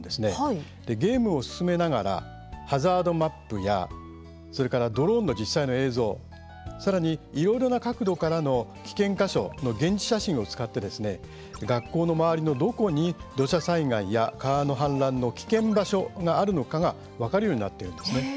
ゲームを進めながらハザードマップやそれからドローンの実際の映像さらに、いろいろな角度からの危険箇所の現地写真を使って学校の周りのどこに土砂災害や川の氾濫の危険場所があるのかが分かるようになっているんですね。